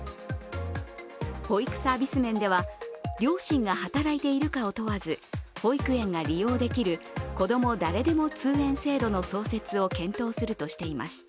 保育サービス面では、両親が働いているかを問わず、保育園が利用できるこども誰でも通園制度の創設を検討するとしています。